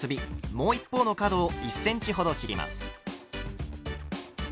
もう一方の角を１ｃｍほど切ります。